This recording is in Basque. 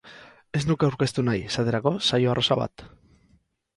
Ez nuke aurkeztu nahi, esaterako, saio arrosa bat.